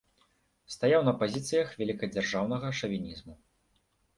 Стаяў на пазіцыях вялікадзяржаўнага шавінізму.